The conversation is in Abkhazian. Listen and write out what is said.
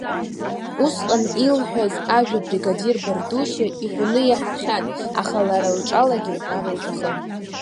Усҟан илҳәаз ажәа абригадир Бардушьа иҳәоны иаҳахьан, аха лара лҿалагьы илҳәар иҭахын.